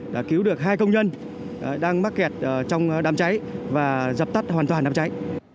đã cứu được hai công nhân đang mắc kẹt trong đám cháy và dập tắt hoàn toàn đám cháy